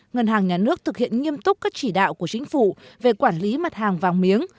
ngân hàng nhà nước thực hiện nghiêm túc các chỉ đạo của chính phủ về quản lý mặt hàng vàng miếng